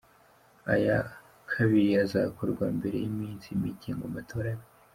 Aya kabiri azakorwa mbere y’iminsi mike ngo amatora abe.